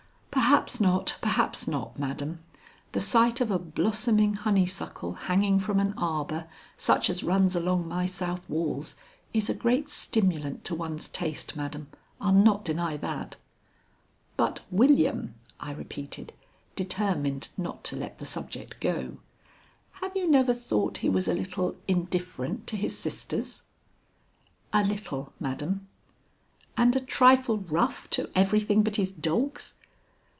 "Perhaps not, perhaps not, madam. The sight of a blossoming honeysuckle hanging from an arbor such as runs along my south walls is a great stimulant to one's taste, madam, I'll not deny that." "But William?" I repeated, determined not to let the subject go; "have you never thought he was a little indifferent to his sisters?" "A little, madam." "And a trifle rough to everything but his dogs?"